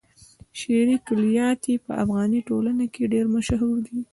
شعري کلیات يې په افغاني ټولنه کې ډېر مشهور دي.